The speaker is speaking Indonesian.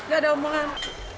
gak ada omongan